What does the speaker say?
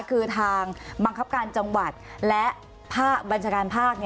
คือทางบังคับการจังหวัดและภาคบัญชาการภาค